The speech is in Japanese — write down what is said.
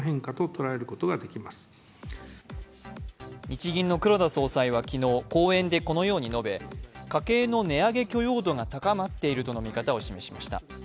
日銀の黒田総裁は昨日講演でこのように述べ家計の値上げ許容度が高まっているとの見方を示しました。